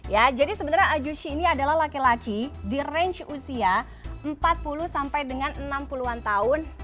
ya jadi sebenarnya ajushi ini adalah laki laki di range usia empat puluh sampai dengan enam puluh an tahun